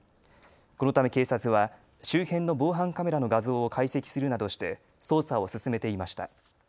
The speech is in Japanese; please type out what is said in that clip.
このため警察は周辺の防犯カメラの画像を解析するなどして捜査を進めていました。